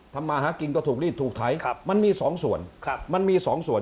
ทำมาหากิงก็ถูกรีดถูกไทยมันมีสองส่วน